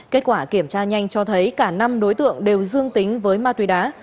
kết quả kiểm tra nhanh cho thấy cả năm đối tượng đều dương tính với ma túy đá